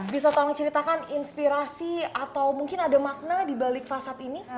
bisa tolong ceritakan inspirasi atau mungkin ada makna dibalik fasad ini